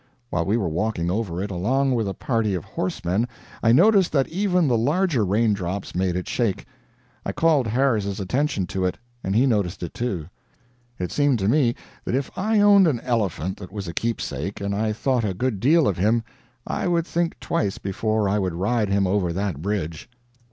While we were walking over it, along with a party of horsemen, I noticed that even the larger raindrops made it shake. I called Harris's attention to it, and he noticed it, too. It seemed to me that if I owned an elephant that was a keepsake, and I thought a good deal of him, I would think twice before I would ride him over that bridge.